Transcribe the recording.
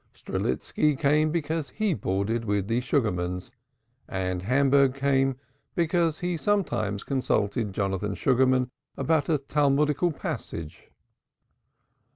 Strelitski came because he boarded with the Sugarmans, and Hamburg came because he sometimes consulted Jonathan Sugarman about a Talmudical passage.